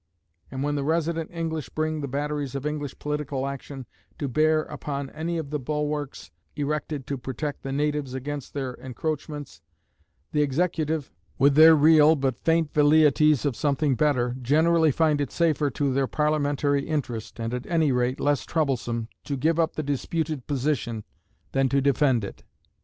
And when the resident English bring the batteries of English political action to bear upon any of the bulwarks erected to protect the natives against their encroachments, the executive, with their real but faint velleities of something better, generally find it safer to their Parliamentary interest, and, at any rate, less troublesome, to give up the disputed position than to defend it.